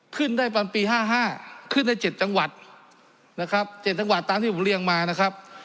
ขึ้นได้ตอนปี๕๕ขึ้นได้๗จังหวัดนะครับ๗จังหวัดตามที่ผมเรียงมานะครับ